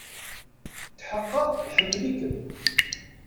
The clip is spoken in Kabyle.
Tḥeqqeɣ iḥemmel-ikem.